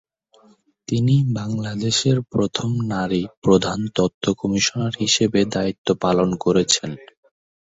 তিনি বাংলাদেশের প্রথম নারী প্রধান তথ্য কমিশনার হিসেবে দায়িত্ব পালন করেছেন।